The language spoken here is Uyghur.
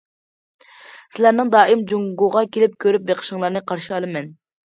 سىلەرنىڭ دائىم جۇڭگوغا كېلىپ كۆرۈپ بېقىشىڭلارنى قارشى ئالىمەن.